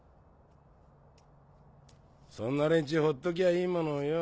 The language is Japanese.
そんな連中ほっときゃいいものをよ。